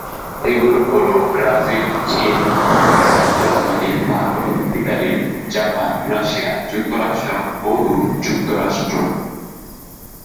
এগুলো হলো ব্রাজিল, চীন, France, Germany, Bharat, Italy, Japan, Russia, যুক্তরাজ্য ও যুক্তরাষ্ট্র।